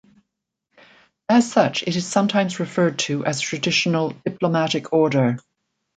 As such it is sometimes referred to as a traditional "diplomatic order".